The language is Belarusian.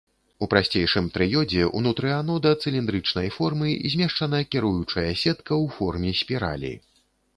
У прасцейшым трыёдзе ўнутры анода цыліндрычнай формы змешчана кіруючая сетка ў форме спіралі.